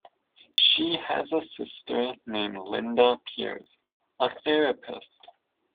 She has a sister named Linda Pires, a therapist.